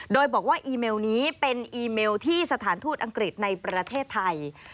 โดยบอกว่าอีเมลนี้เป็นอีเมลที่สถานทูตอังกฤษในประเทศไทย